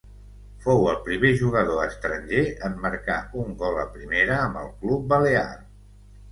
Fou el primer jugador estranger en marcar un gol a Primera amb el club balear.